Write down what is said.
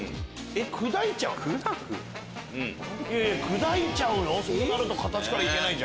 砕いちゃうの？